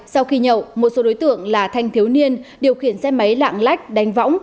sau khi nhậu một số đối tượng là thanh thiếu niên điều khiển xe máy lạng lách đánh võng